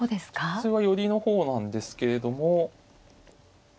普通は寄りの方なんですけれども。